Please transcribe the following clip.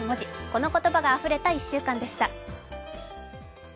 この言葉があふれた１週間でした。